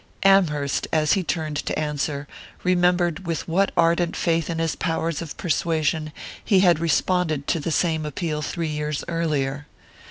Amherst, as he turned to answer, remembered with what ardent faith in his powers of persuasion he had responded to the same appeal three years earlier.